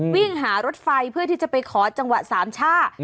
วิ่งหารถไฟเพื่อที่จะไปขอจังหวะสามช่า